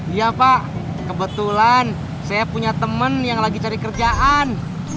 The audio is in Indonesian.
iya pak kebetulan saya punya teman yang lagi cari kerjaan